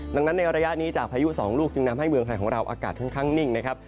ดังนั้นในระยะนี้จากพายุสองลูกจึงทำให้เมืองไทยของเราอากาศค่อนข้างนิ่งนะครับ